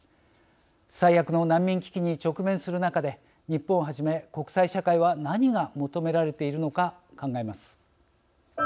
最悪の難民危機に直面する中で日本をはじめ国際社会は何が求められているのか考えます。